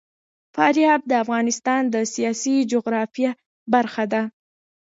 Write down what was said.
فاریاب د افغانستان د سیاسي جغرافیه برخه ده.